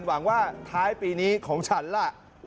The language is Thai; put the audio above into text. หวังว่าท้ายปีนี้ของฉันล่ะ